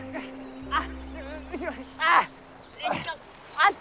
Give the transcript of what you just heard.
あっ！